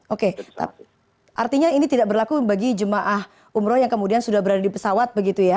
oke artinya ini tidak berlaku bagi jemaah umroh yang kemudian sudah berada di pesawat begitu ya